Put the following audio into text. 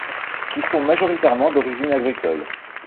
Qui sont majoritairement d'origine agricole.